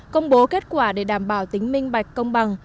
công bố kết quả để đảm bảo tính minh bạch công bằng